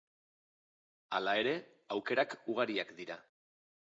Hala ere, aukerak ugariak dira.